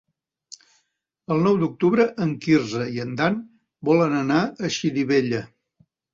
El nou d'octubre en Quirze i en Dan volen anar a Xirivella.